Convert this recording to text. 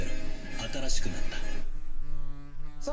新しくなったさあ